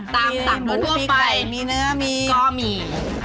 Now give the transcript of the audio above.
ตามต่างโดยทั่วไปก็มีมีหมูมีไก่มีเนื้อมี